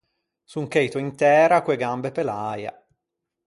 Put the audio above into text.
Son cheito in tæra co-e gambe pe l’äia.